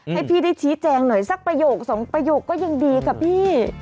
ให้พี่ได้ชี้แจงหน่อยสักประโยคสองประโยคก็ยังดีค่ะพี่